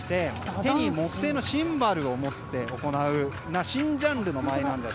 手に木製のシンバルを持って行う新ジャンルの舞いです。